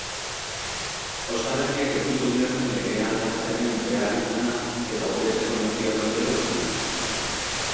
Ostalariek ez dute ulertzen legea aldatzearen beharrizana eta hobetzeko neurriak daudela uste dute.